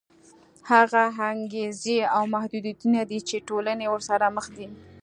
هغه انګېزې او محدودیتونه دي چې ټولنې ورسره مخ دي.